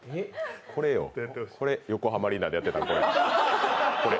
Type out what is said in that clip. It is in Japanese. これ、横浜アリーナでやってたこれ。